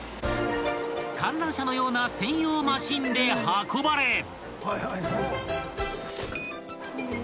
［観覧車のような専用マシンで運ばれ］